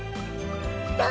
どう？